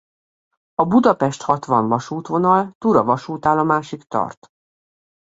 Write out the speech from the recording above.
A Budapest–Hatvan-vasútvonal Tura vasútállomásáig tart.